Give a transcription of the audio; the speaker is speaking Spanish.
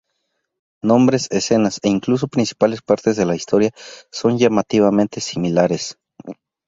Nombres, escenas, e incluso principales partes de la historia, son llamativamente similares.